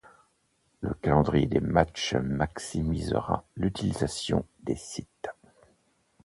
Le calendrier des matches maximisera l'utilisation des sites.